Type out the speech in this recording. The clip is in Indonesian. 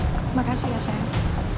terima kasih ya sayang